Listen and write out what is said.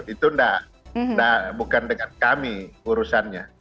itu bukan dengan kami urusannya